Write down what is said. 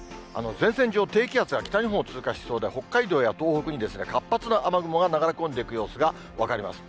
前線上、低気圧が北日本を通過しそうで、北海道や東北に活発な雨雲が流れ込んでいく様子が分かります。